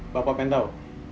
bapak mau tahu